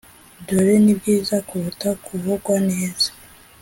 dore nibyiza kuruta kuvugwa neza.